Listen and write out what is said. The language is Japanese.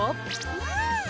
うん！